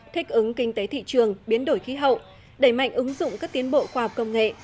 thích ứng kinh tế thị trường biến đổi khí hậu đẩy mạnh ứng dụng các tiến bộ khoa học công nghệ